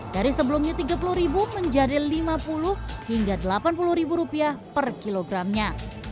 dari sebelumnya rp tiga puluh menjadi rp lima puluh hingga rp delapan puluh per kilogramnya